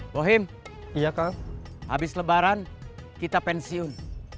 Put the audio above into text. boheem habis lebaran kita pensiun